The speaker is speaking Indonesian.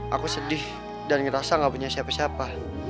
aku sedih dan ngerasa gak punya siapa siapa